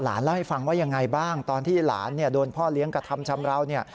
เล่าให้ฟังว่ายังไงบ้างตอนที่หลานโดนพ่อเลี้ยงกระทำชำราวเนี่ย